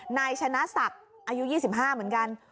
นายชนะศักดิ์อายุ๒๕เหมือนกัน